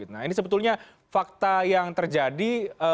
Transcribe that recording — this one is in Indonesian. nah ini sebetulnya fakta yang terjadi